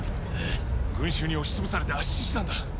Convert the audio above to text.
群衆に押し潰されて圧死したんだ。